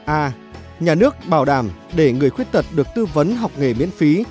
a nhà nước bảo đảm để người khuyết tật được tư vấn học nghề miễn phí